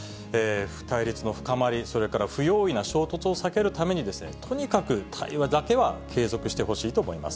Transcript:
対立の深まり、それから不用意な衝突を避けるために、とにかく対話だけは継続してほしいと思います。